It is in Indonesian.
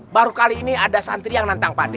baru kali ini ada santri yang nantang pak de